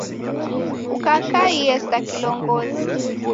Ukakaiye sa kilongozi